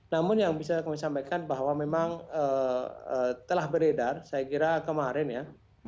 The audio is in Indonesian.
namun yang bisa kami sampaikan bahwa memang telah beredar saya kira kemarin ya